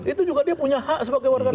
itu juga dia punya hak sebagai warga negara